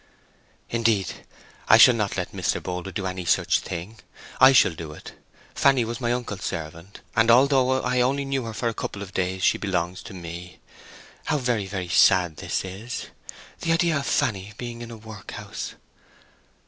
"Indeed I shall not let Mr. Boldwood do any such thing—I shall do it! Fanny was my uncle's servant, and, although I only knew her for a couple of days, she belongs to me. How very, very sad this is!—the idea of Fanny being in a workhouse."